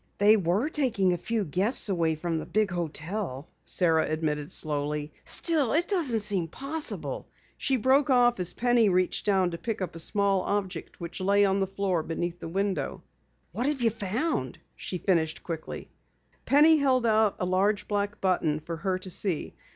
"They were taking a few guests away from the big hotel," Sara admitted slowly. "Still, it doesn't seem possible " She broke off as Penny reached down to pick up a small object which lay on the floor beneath the window. "What have you found?" she finished quickly. Penny held out a large black button for her to see.